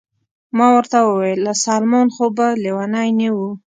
ما ورته وویل: سلمان خو به لیونی نه و؟